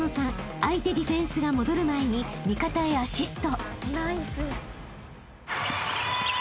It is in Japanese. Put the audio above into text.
相手ディフェンスが戻る前に味方へアシスト］